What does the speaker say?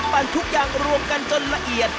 ทุกอย่างรวมกันจนละเอียด